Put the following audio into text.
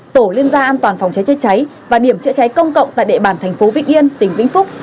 tổ liên gia an toàn phòng cháy chữa cháy và điểm chữa cháy công cộng tại địa bàn thành phố vịnh yên tỉnh vĩnh phúc